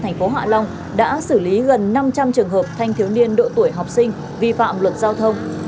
thành phố hạ long đã xử lý gần năm trăm linh trường hợp thanh thiếu niên độ tuổi học sinh vi phạm luật giao thông